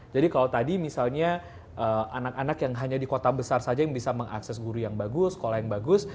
jadi kalau tadi misalnya anak anak yang hanya di kota besar saja yang bisa mengakses guru yang bagus sekolah yang bagus